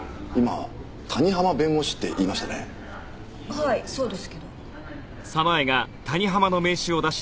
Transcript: はいそうですけど。